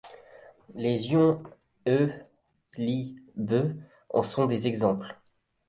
Les ions He, Li, Be en sont des exemples.